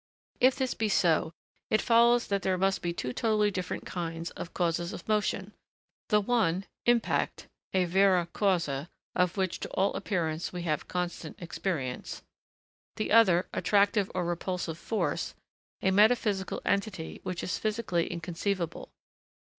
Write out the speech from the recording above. If this be so, it follows that there must be two totally different kinds of causes of motion: the one impact a vera causa, of which, to all appearance, we have constant experience; the other, attractive or repulsive 'force' a metaphysical entity which is physically inconceivable.